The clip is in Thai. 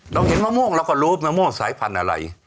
เห็นมะม่วงเราก็รู้มะม่วงสายพันธุ์อะไร